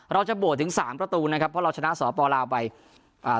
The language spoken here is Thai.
โบสถถึงสามประตูนะครับเพราะเราชนะสปลาวไปอ่า